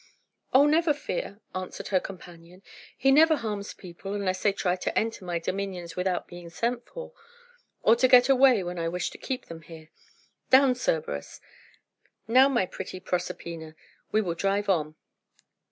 "Oh, never fear," answered her companion. "He never harms people, unless they try to enter my dominions without being sent for, or to get away when I wish to keep them here. Down, Cerberus! Now, my pretty Proserpina, we will drive on."